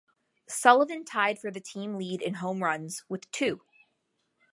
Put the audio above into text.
Sullivan tied for the team lead in home runs with two.